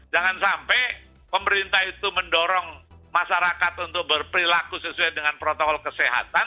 jangan sampai pemerintah itu mendorong masyarakat untuk berperilaku sesuai dengan protokol kesehatan